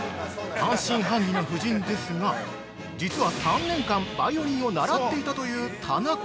◆半信半疑の夫人ですが実は３年間バイオリンを習っていたという田中。